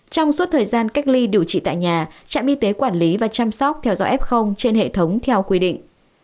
trong suốt thời gian cách ly điều trị tại nhà trạm y tế quản lý và chăm sóc theo dõi f trên hệ thống theo quy định